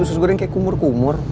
susu goreng kayak kumur kumur